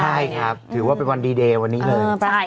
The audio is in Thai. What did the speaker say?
ใช่ครับถือว่าเป็นวันดีเดย์วันนี้เลย